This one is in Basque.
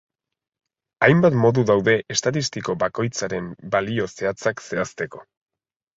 Hainbat modu daude estatistiko bakoitzaren balio zehatzak zehazteko.